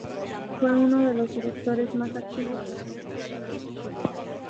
Fue uno de los directores más activos de ambos programas.